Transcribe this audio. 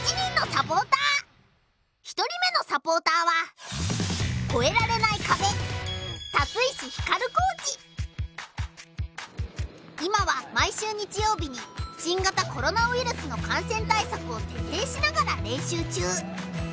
１人目のサポーターは今は毎週日曜日に新型コロナウイルスの感染対策をてっていしながら練習中。